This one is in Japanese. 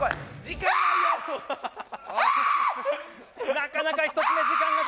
なかなか１つ目時間がかかる。